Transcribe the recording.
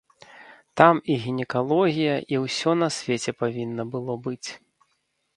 Там і гінекалогія, і усё на свеце павінна было быць.